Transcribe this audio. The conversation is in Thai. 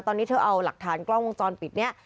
ตอนนี้เธอเอาหลักฐานกล้องวงจรปิดนี้